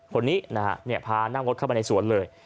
คนนี้นะฮะพานั่งรถเข้าไปในสวนเลย